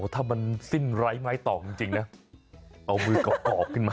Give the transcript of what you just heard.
ถ้ามันสิ้นไร้ไม้ตอกจริงนะเอามือกรอบขึ้นมา